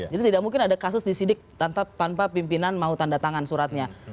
jadi tidak mungkin ada kasus disidik tanpa pimpinan mau tanda tangan suratnya